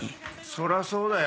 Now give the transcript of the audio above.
そりゃそうだよ。